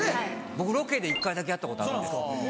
僕ロケで１回だけやったことあるんですよ。